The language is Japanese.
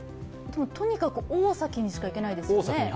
とにくか大崎にしか行けないですよね。